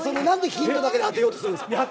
何でヒントだけで当てようとするんですか？